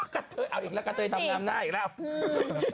กระเทยเอาอีกแล้วกะเทยทำงามหน้าอีกแล้ว